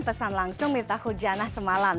pesan langsung mifta huljana semalam